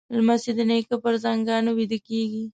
لمسی د نیکه پر زنګانه ویده کېږي.